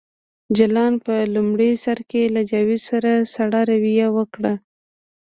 جلان په لومړي سر کې له جاوید سره سړه رویه وکړه